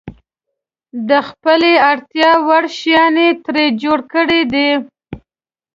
د خپلې اړتیا وړ شیان یې ترې جوړ کړي دي.